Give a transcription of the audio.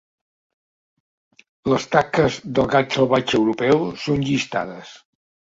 Les taques del gat salvatge europeu són llistades.